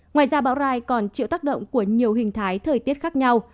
ngoài ra bão rai còn chịu tác động của nhiều hình thái thời tiết khác nhau